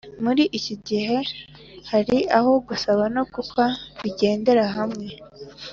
muri kino gihe hari aho gusaba no gukwa bigendera hamwe